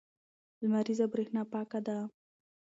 لمریزه برېښنا پاکه ده.